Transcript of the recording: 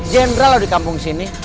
general di kampung sini